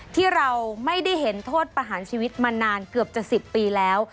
ที่เราไม่ได้เห็นโทษประหารชีวิตมานานเกือบจะ๑๐ปีแล้ว